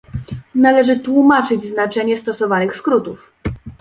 Należy tłumaczyć znaczenie stosowanych skrótów